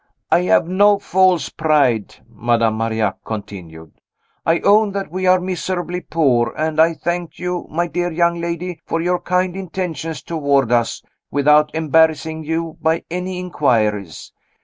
"I have no false pride," Madame Marillac continued. "I own that we are miserably poor; and I thank you, my dear young lady, for your kind intentions toward us, without embarrassing you by any inquiries.